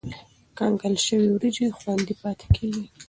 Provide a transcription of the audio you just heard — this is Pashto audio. کنګل شوې وریجې خوندي پاتې کېږي.